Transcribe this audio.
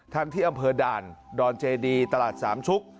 ทั้งที่อำเภอด่านดอนเจดีตลาดสามชุก